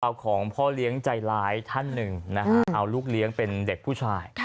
เอาของพ่อเลี้ยงใจร้ายท่านหนึ่งนะฮะเอาลูกเลี้ยงเป็นเด็กผู้ชาย